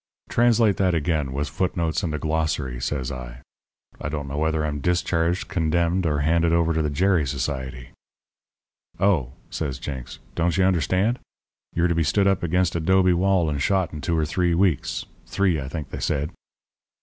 "'Translate that again, with foot notes and a glossary,' says I. 'I don't know whether I'm discharged, condemned, or handed over to the Gerry Society.' "'Oh,' says Jenks, 'don't you understand? You're to be stood up against a 'dobe wall and shot in two or three weeks three, I think, they said.'